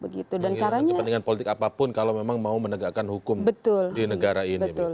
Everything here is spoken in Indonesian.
menghilangkan kepentingan politik apapun kalau memang mau menegakkan hukum di negara ini